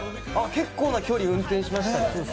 結構な距離、運転しました。